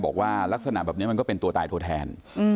บอกว่าลักษณะแบบนี้มันก็เป็นตัวตายตัวแทน